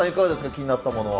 気になったものは。